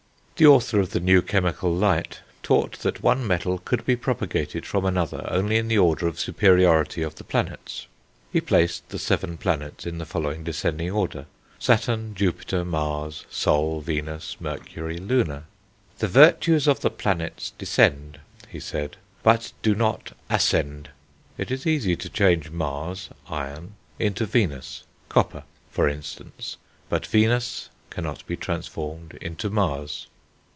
The author of The New Chemical Light taught that one metal could be propagated from another only in the order of superiority of the planets. He placed the seven planets in the following descending order: Saturn, Jupiter, Mars, Sol, Venus, Mercury, Luna. "The virtues of the planets descend," he said, "but do not ascend"; it is easy to change Mars (iron) into Venus (copper), for instance, but Venus cannot be transformed into Mars.